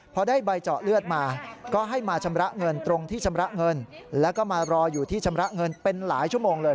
พอได้ใบเจาะเลือดมาก็ให้มาชำระเงินตรงที่ชำระเงินแล้วก็มารออยู่ที่ชำระเงินเป็นหลายชั่วโมงเลย